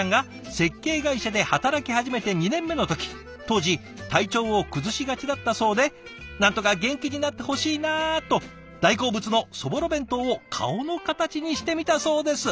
当時体調を崩しがちだったそうで「なんとか元気になってほしいな」と大好物のそぼろ弁当を顔の形にしてみたそうです。